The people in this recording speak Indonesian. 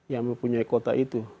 yang mempunyai kota itu